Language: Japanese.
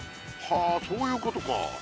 はあそういうことか。